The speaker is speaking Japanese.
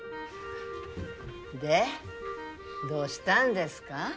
でどうしたんですか？